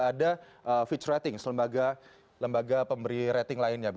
ada fitch ratings lembaga pemberi rating lainnya